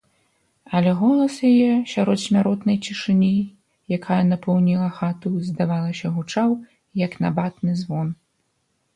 Але голас яе сярод смяротнай цішыні, якая напоўніла хату, здавалася, гучаў як набатны звон.